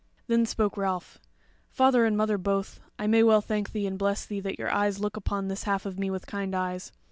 Then spoke Ralph: "Father and mother both, I may well thank thee and bless thee that your eyes look upon this half of me with kind eyes.